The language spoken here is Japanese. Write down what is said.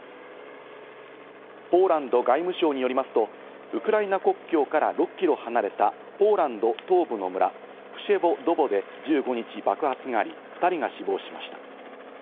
ポーランド外務省によりますと、ウクライナ国境から６キロ離れたポーランド東部の村、プシェヴォドヴォで１５日爆発があり、２人が死亡しました。